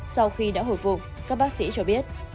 sau khi đã hồi phục các bác sĩ cho biết